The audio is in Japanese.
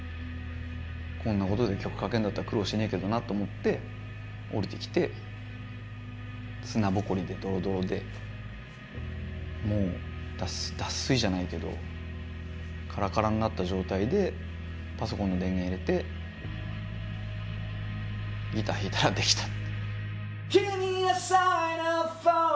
こんなことで曲書けんだったら苦労しねえけどなと思って下りてきて砂ぼこりでドロドロでもう脱水じゃないけどカラカラになった状態でパソコンの電源入れてギター弾いたらできた。